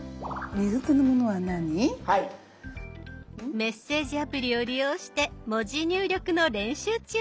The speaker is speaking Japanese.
メッセージアプリを利用して文字入力の練習中。